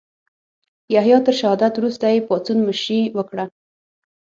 یحیی تر شهادت وروسته یې پاڅون مشري وکړه.